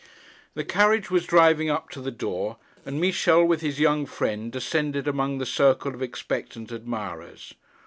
The carriage was driving up to the door, and Michel with his young friend descended among the circle of expectant admirers.